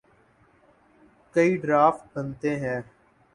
کئی ڈرافٹ بنتے ہیں۔